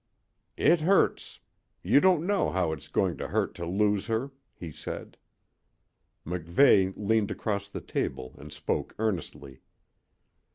"It hurts. You don't know how it's goin' to hurt to lose her," he said. MacVeigh leaned across the table and spoke earnestly.